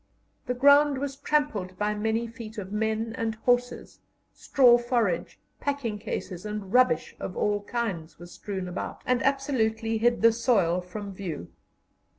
The ground was trampled by many feet of men and horses; straw, forage, packing cases, and rubbish of all kinds, were strewn about, and absolutely hid the soil from view.